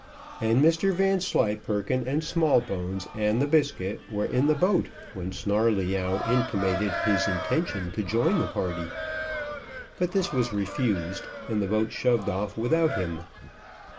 And Mr Vanslyperken, and Smallbones, and the biscuit, were in the boat, when Snarleyyow intimated his intention to join the party; but this was refused, and the boat shoved off without him.